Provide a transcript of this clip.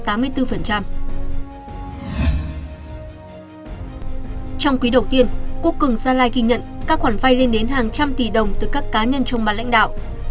trong quý đầu tiên quốc cường gia lai ghi nhận các khoản vay lên đến hàng trăm tỷ đồng từ các cá nhân trong bàn lãnh đạo